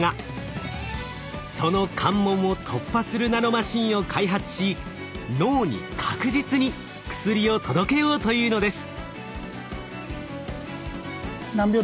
その関門を突破するナノマシンを開発し脳に確実に薬を届けようというのです。